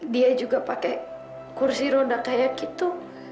dia juga pakai kursi roda kayak gitu